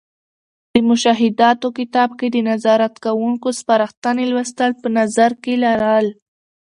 د مشاهداتو کتاب کې د نظارت کوونکو سپارښتنې لوستـل او په نظر کې لرل.